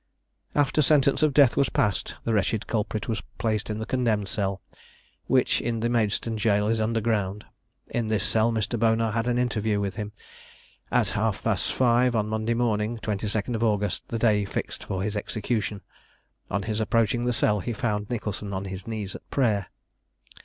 After sentence of death was passed, the wretched culprit was placed in the condemned cell, which in the Maidstone jail is underground. In this cell Mr. Bonar had an interview with him, at half past five on Monday morning, 22nd August, the day fixed for his execution. On his approaching the cell, he found Nicholson on his knees at prayer.